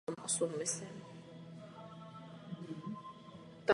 Chtěla bych všem zúčastněným poděkovat za odvedenou práci.